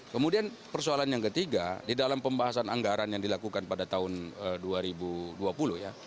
kemudian persoalan yang ketiga di dalam pembahasan anggaran yang dilakukan pada tahun dua ribu dua puluh ya